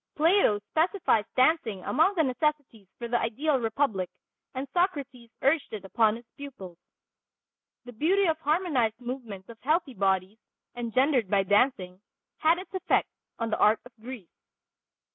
Plato specifies dancing among the necessities for the ideal republic, and Socrates urged it upon his pupils. The beauty of harmonized movements of healthy bodies, engendered by dancing, had its effect on the art of Greece.